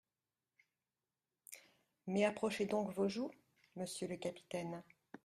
Mais approchez donc vos joues, monsieur le capitaine…